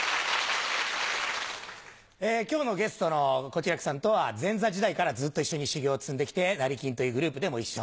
今日のゲストの小痴楽さんとは前座時代からずっと一緒に修業を積んで来て成金というグループでも一緒。